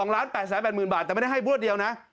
๘๘๐๐๐บาทแต่ไม่ได้ให้งวดเดียวนะ